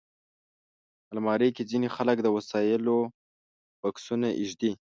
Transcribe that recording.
الماري کې ځینې خلک د وسایلو بکسونه ایږدي